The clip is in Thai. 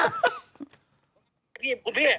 กูพี่